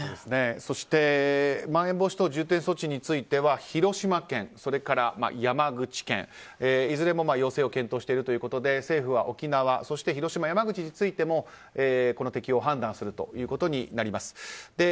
そしてまん延防止等重点措置については広島県、山口県、いずれも要請を検討しているということで政府は沖縄、広島、山口についてもこの適用を判断することになります。